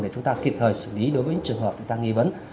để chúng ta kịp thời xử lý đối với những trường hợp chúng ta nghi vấn